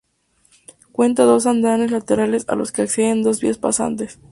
Cuenta dos andenes laterales a los que acceden dos vías pasantes.